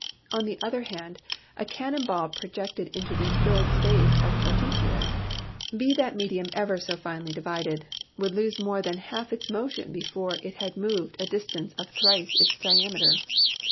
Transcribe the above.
On the other hand, a cannon ball projected into the "filled space" of Cartesius, 12 PHYSICS be that medium ever so finely divided, would lose more than half its motion before it had moved a distance of thrice its diameter.